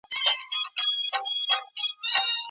زه به د سبا لپاره د تمرينونو ترسره کول کړي وي.